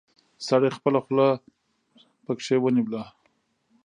سړي خپله خوله پکې ونيوله.